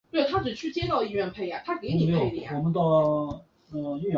长齿柄鳞鲷为光腹鲷科柄鳞鲷属的鱼类。